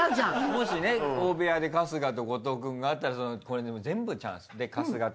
もしね大部屋で春日と後藤くんが会ったらこれ全部チャンス。